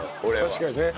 確かにね。